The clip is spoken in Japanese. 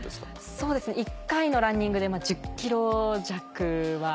そうですね１回のランニングで１０ｋｍ弱は。